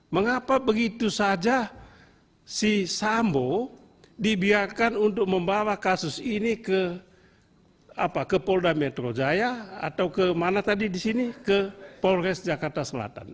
mengapa begitu saja si sambo dibiarkan untuk membawa kasus ini ke polres jakarta selatan